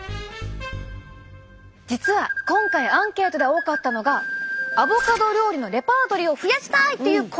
実は今回アンケートで多かったのがアボカド料理のレパートリーを増やしたい！という声。